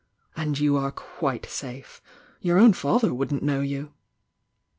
And you are quite safe! Your own father wouldn't know you!"